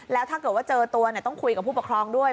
แล้วถ้าเกิดว่าเจอตัวต้องคุยกับผู้ปกครองด้วย